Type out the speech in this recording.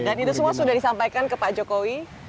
dan itu semua sudah disampaikan ke pak jokowi